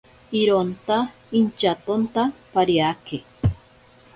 Ironta intyatonta pariake.